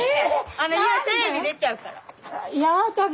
あの悠テレビ出ちゃうから。